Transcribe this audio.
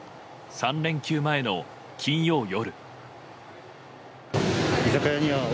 ３連休前の金曜夜。